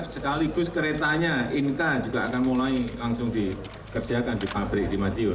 sekaligus keretanya inka juga akan mulai langsung dikerjakan di pabrik di madiun